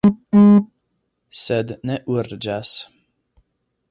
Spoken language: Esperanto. Sed ne urĝas.